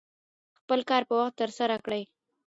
خپل کار په وخت ترسره کړه.